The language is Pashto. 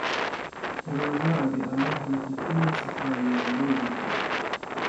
روژه د الله له حکمونو څخه یوه لویه نښه ده.